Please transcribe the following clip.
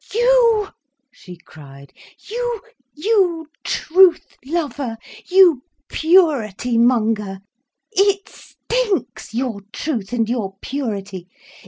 "You!" she cried. "You! You truth lover! You purity monger! It stinks, your truth and your purity.